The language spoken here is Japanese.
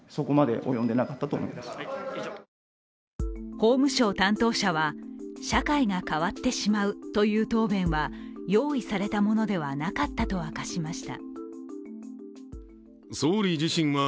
法務省担当者は社会が変わってしまうという答弁は用意されたものではなかったと明かしました。